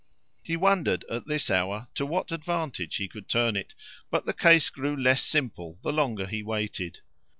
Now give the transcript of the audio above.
He wondered at this hour to what advantage he could turn it; but the case grew less simple the longer he waited.